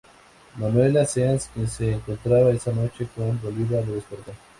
Manuela Sáenz quien se encontraba esa noche con Bolívar lo despertó.